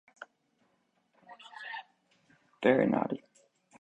Very naughty.